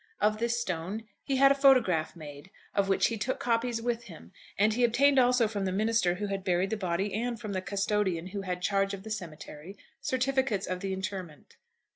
Of this stone he had a photograph made, of which he took copies with him; and he obtained also from the minister who had buried the body and from the custodian who had charge of the cemetery certificates of the interment.